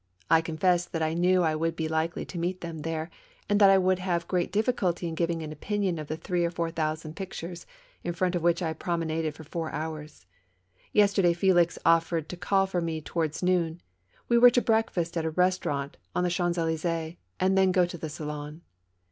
I confess that I knew I would be likely to meet them there and that I would have great difficulty in giving an opinion of the three or four thousand pictures, in front of which I promenaded for four hours. Yesterday Felix offered to call for me towards noon ; we were to breakfast at a restaurant of the Champs filysees and then go to the Salon.